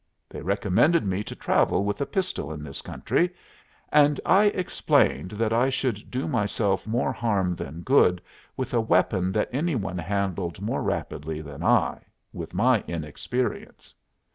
They recommended me to travel with a pistol in this country, and I explained that I should do myself more harm than good with a weapon that any one handled more rapidly than I, with my inexperience.